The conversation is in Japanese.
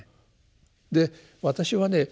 で私はね